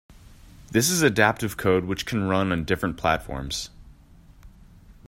This is adaptive code which can run on different platforms.